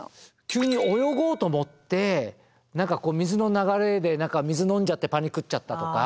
急に泳ごうと思って水の流れで水飲んじゃってパニクっちゃったとか。